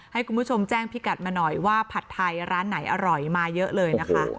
ให้คุณผู้ชมแจ้งพี่กัดมาหน่อยว่าผัดไทยร้านไหนอร่อยมาเยอะเลยนะคะ